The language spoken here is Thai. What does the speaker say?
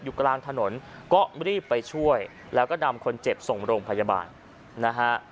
กลางถนนก็รีบไปช่วยแล้วก็นำคนเจ็บส่งโรงพยาบาลนะฮะ